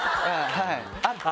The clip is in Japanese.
はいあって。